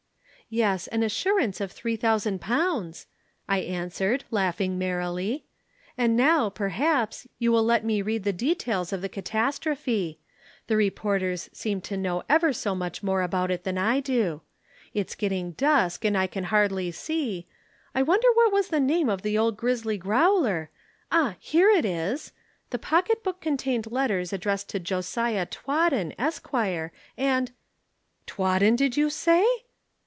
"'Yes, an assurance of three thousand pounds,' I answered, laughing merrily. 'And now, perhaps, you will let me read the details of the catastrophe. The reporters seem to know ever so much more about it than I do. It's getting dusk and I can hardly see I wonder what was the name of old grizzly growler ah! here it is "The pocket book contained letters addressed to Josiah Twaddon, Esquire, and "' "'Twaddon, did you say?'